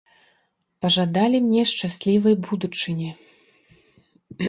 Пажадалі мне шчаслівай будучыні.